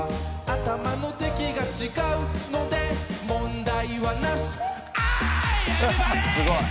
「頭の出来が違うので問題はナシ」ハーイ！